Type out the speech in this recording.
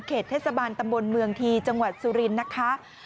เทศบาลตำบลเมืองทีจังหวัดสุรินทร์นะคะ